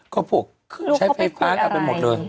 คือลูกเขาไปคุยอะไร